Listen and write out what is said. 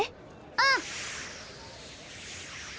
うん。